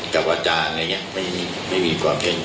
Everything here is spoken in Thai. กับวาจารย์ไงไม่มีภูมิกรองผิดก็ไม่มีความเชื่อโยคครับ